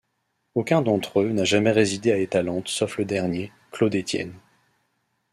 Aucun d'entre eux n’a jamais résidé à Etalante sauf le dernier, Claude Etienne.